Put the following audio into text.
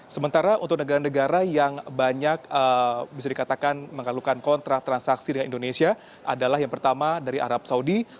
sementara untuk negara negara yang banyak bisa dikatakan mengalukan kontra transaksi dengan indonesia adalah yang pertama dari arab saudi